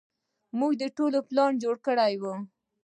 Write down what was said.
موږ ټول پلان جوړ کړى و.